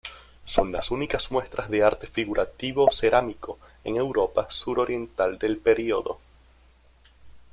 Son las únicas muestras de arte figurativo cerámico en Europa suroriental del periodo.